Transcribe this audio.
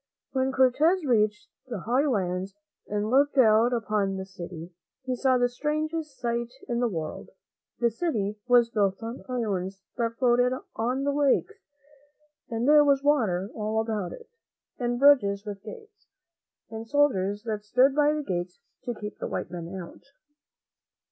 When Cortez reached the high lands and looked out upon the city, he saw the strangest sight in the world. The city was built on islands that floated on the lakes, and there was water all about it, and bridges with gates, and soldiers that stood by the gates to keep the white men out.